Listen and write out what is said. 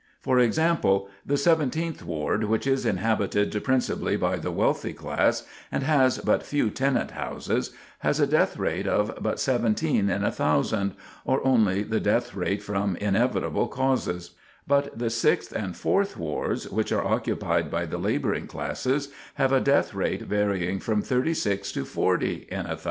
For example, the Seventeenth Ward, which is inhabited principally by the wealthy class and has but few tenant houses, has a death rate of but 17 in 1,000, or only the death rate from inevitable causes; but the Sixth and Fourth Wards, which are occupied by the laboring classes, have a death rate varying from 36 to 40 in 1,000.